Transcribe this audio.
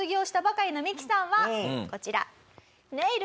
こちら。